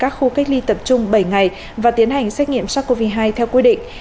các khu cách ly tập trung bảy ngày và tiến hành xét nghiệm sars cov hai theo quy định